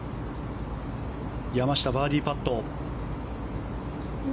山下、バーディーパット。